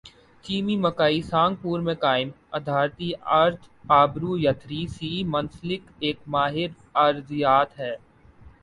Jamie مک کائی Singapore میں قائم اداری ارتھ آبرو یٹری سی منسلک ایک ماہر ارضیات ہیں۔